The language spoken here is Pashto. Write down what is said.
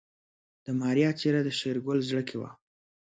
د ماريا څېره د شېرګل زړه کې وه.